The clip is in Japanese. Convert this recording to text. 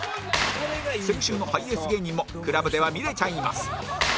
先週のハイエース芸人も ＣＬＵＢ では見れちゃいます